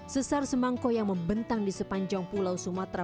sesar semangka yang membentang di sepanjang pulau sumatera